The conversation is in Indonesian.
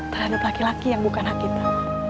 tahanut laki laki yang bukan hak kita